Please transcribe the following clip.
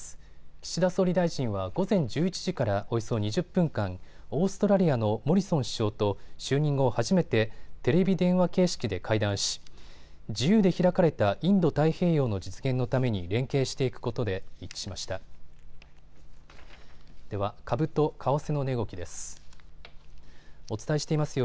岸田総理大臣は午前１１時からおよそ２０分間、オーストラリアのモリソン首相と就任後初めてテレビ電話形式で会談し、自由で開かれたインド太平洋の実現のために連携していくことで一致しました。